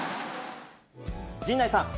陣内さん。